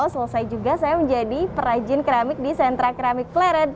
selesai juga saya menjadi perajin keramik di sentra keramik pleret